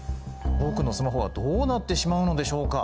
「僕のスマホはどうなってしまうのでしょうか」。